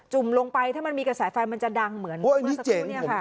ุ่มลงไปถ้ามันมีกระแสไฟมันจะดังเหมือนเมื่อสักครู่เนี่ยค่ะ